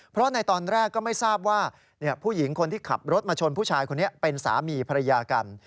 เพราะในตอนแรกก็ไม่ทราบว่าผู้หญิงคนที่ขับรถมาชนผู้ชายคนนี้เป็นสามีภรรยากัน